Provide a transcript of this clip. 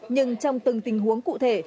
nhưng trong từng tình huống cụ thể